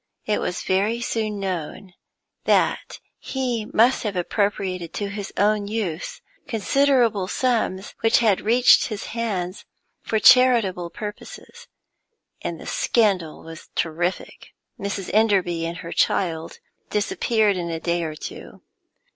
It was very soon known that he must have appropriated to his own use considerable sums which had reached his hands for charitable purposes, and the scandal was terrific. Mrs. Enderby and her child disappeared in a day or two.